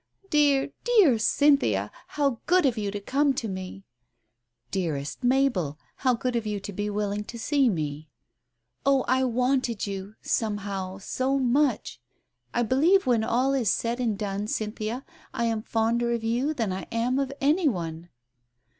"Dear, dear Cynthia, how good of you to come to me!" Digitized by Google 86 TALES OF THE UNEASY "Dearest Mabel, how good of you to be willing to see me !"" Oh, I wanted you — somehow — so much ! I believe, when all is said and done, Cynthia, I am fonder of you than I am of any one